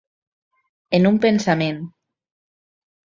En un pensament.